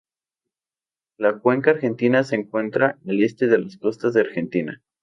La cuenca Argentina se encuentra al este de las costas de Argentina.